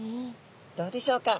どうでしょうか？